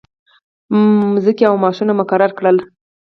مځکې او معاشونه مقرر کړل.